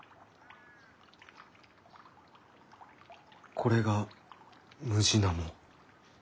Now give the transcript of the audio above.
これがムジナモ。